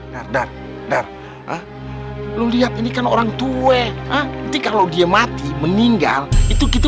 dar dar lu lihat ini kan orangtue nanti kalau dia mati meninggal itu kita